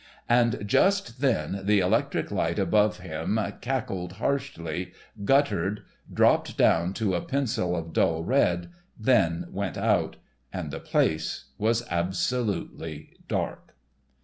And just then the electric light above him cackled harshly, guttered, dropped down to a pencil of dull red, then went out, and the place was absolutely dark.